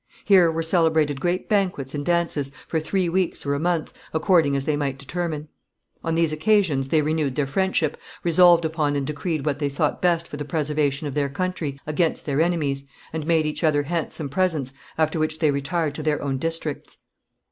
Here were celebrated great banquets and dances, for three weeks or a month, according as they might determine. On these occasions they renewed their friendship, resolved upon and decreed what they thought best for the preservation of their country against their enemies, and made each other handsome presents, after which they retired to their own districts.